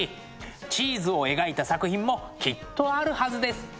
チーズを描いた作品もきっとあるはずです。